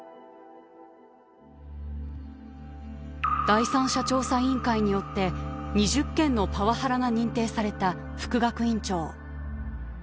第三者調査委員会によって２０件のパワハラが認定された副学院長。